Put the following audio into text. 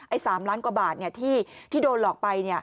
๓ล้านกว่าบาทที่โดนหลอกไป